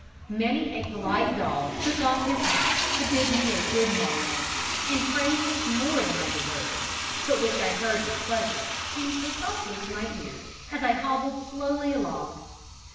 Many a polite dog took off his hat to bid me good morrow; and praises more than I deserved, but which I heard with pleasure, came softly to my ear, as I hobbled slowly along.